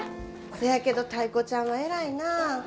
せやけどタイ子ちゃんは偉いなあ。